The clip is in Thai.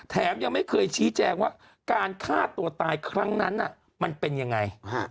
ยังไม่เคยชี้แจงว่าการฆ่าตัวตายครั้งนั้นมันเป็นยังไง